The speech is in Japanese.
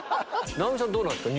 直美さんどうなんですか？